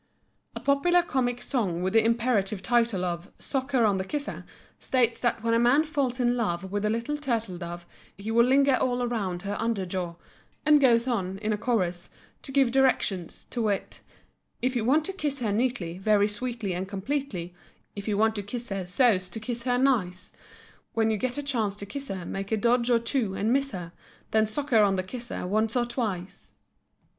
A popular comic song with the imperative title of "Sock her on the kisser" states that when a man falls in love with a little turtle dove "he will linger all around her under jaw" and goes on, in a chorus, to give directions, to wit: If you want to kiss her neatly, very sweetly and completely, If you want to kiss her so's to kiss her nice, When you get a chance to kiss her, make a dodge or two and miss her, Then sock her on the kisser once or twice.